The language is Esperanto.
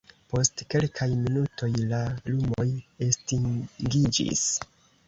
Post kelkaj minutoj, la lumoj estingiĝis.